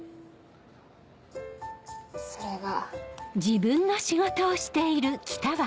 それが。